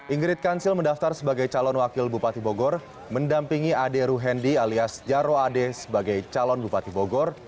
ingrid kansil mendaftar sebagai calon wakil bupati bogor mendampingi ade ruhendi alias jaro ade sebagai calon bupati bogor